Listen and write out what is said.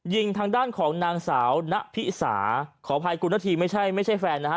ทางด้านของนางสาวณพิสาขออภัยคุณนาธีไม่ใช่ไม่ใช่แฟนนะฮะ